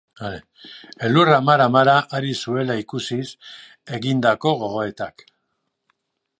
Elurra mara-mara ari zuela ikusiz egindako gogoetak.